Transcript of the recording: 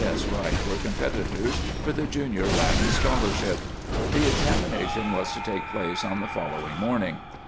S. Wright were competitors for the Junior Latin scholarship! The examination was to take place on the following morning.